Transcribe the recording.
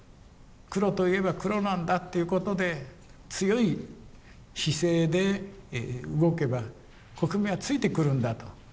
黒と言えば黒なんだということで強い姿勢で動けば国民はついてくるんだと。